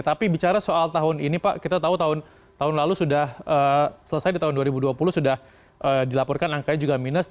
tapi bicara soal tahun ini pak kita tahu tahun lalu sudah selesai di tahun dua ribu dua puluh sudah dilaporkan angkanya juga minus